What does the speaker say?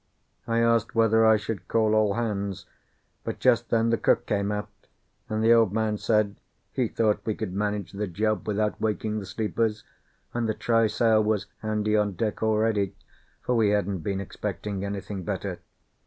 I asked whether I should call all hands, but just then the cook came aft, and the Old Man said he thought we could manage the job without waking the sleepers, and the trysail was handy on deck already, for we hadn't been expecting anything better.